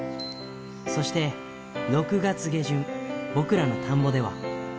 そして６月下旬、僕らの田んぼでは。